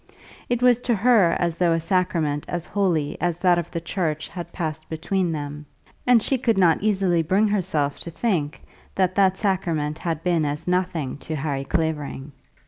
It was to her as though a sacrament as holy as that of the church had passed between them, and she could not easily bring herself to think that that sacrament had been as nothing to Harry Clavering.